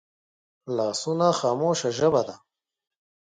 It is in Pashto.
لاسونه خاموشه ژبه ده